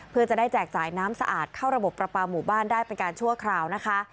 เพื่อจะได้แจกจ่ายน้ำสะอาดเข้าระบบประปาหมู่บ้านได้เป็นการชั่วคราวนะคะ